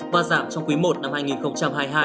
và giảm trong quý i năm hai nghìn hai mươi hai